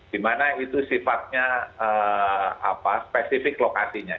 di mana itu sifatnya spesifik lokasinya